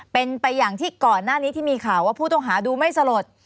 เป็นไปอย่างที่ก่อนหน้านี้ที่มีข่าวว่าผู้ต้องหาดูไม่สลด